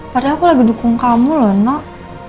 padahal aku lagi dukung kamu loh noh